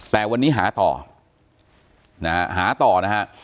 แต่วันนี้หาต่อนะฮะหาต่อนะฮะ